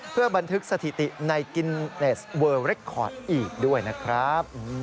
เพื่อบันทึกสถิติในกินเนสเวอร์เรคคอร์ดอีกด้วยนะครับ